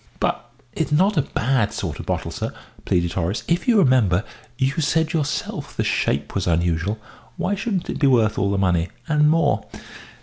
"But it's not a bad sort of bottle, sir," pleaded Horace. "If you remember, you said yourself the shape was unusual. Why shouldn't it be worth all the money, and more?"